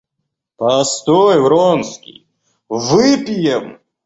Постой, Вронский, выпьем.